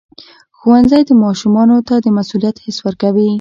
ښوونځی ماشومانو ته د مسؤلیت حس ورکوي.